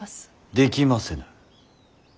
できませぬ。